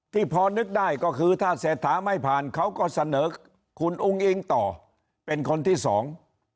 ที่พอนึกได้ก็คือถ้าเศรษฐาไม่ผ่านเขาก็เสนอคุณอุ้งอิงต่อเป็นคนที่สอง